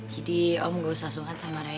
jadi om gak usah sungkan sama raya